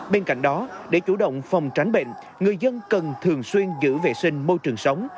bên cạnh đó để chủ động phòng tránh bệnh người dân cần thường xuyên giữ vệ sinh môi trường sống